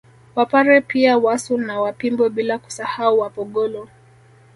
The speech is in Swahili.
Wapare pia Wasu na Wapimbwe bila kusahau Wapogolo